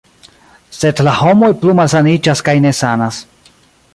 Sed la homoj plu malsaniĝas kaj nesanas.